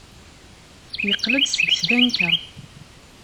Yeqqel-d seg tbanka.